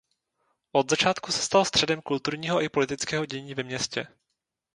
Od začátku se stal středem kulturního i politického dění ve městě.